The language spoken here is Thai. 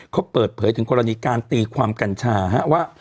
เขาเปิดเผยถึงกรณีการตีความกัญชาว่า